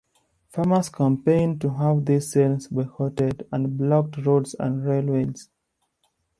Farmers campaigned to have these sales boycotted, and blocked roads and railways.